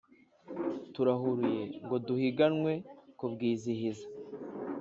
turahuruye ngo duhiganwe kubwizihiza